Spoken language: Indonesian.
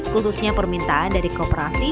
khususnya permintaan dari kooperasi